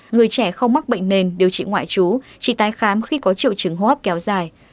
người trẻ không mắc bệnh nền điều trị ngoại trú chỉ tái khám khi có triệu chứng ho hấp kéo dài